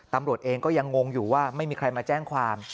ตำรวจเองก็ยังงงอยู่ว่าไม่มีใครมาแจ้งความ